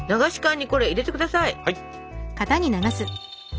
はい。